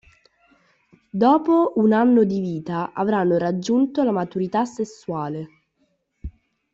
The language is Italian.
Dopo un anno di vita avranno raggiunto la maturità sessuale.